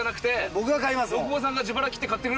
僕が買います。